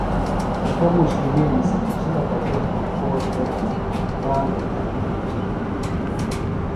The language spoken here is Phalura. کٹموشی میمیۡ سےۡ پِچھلہ بٹہ جُھلیۡ پو دےۡ بہ رال بھےۡ دھرݨیۡ پھرےۡ جِتیۡ ہنیۡ